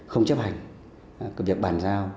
không chấp hành